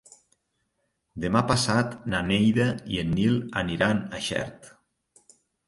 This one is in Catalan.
Demà passat na Neida i en Nil aniran a Xert.